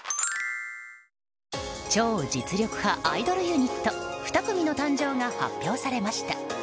超実力派アイドルユニット２組の誕生が発表されました。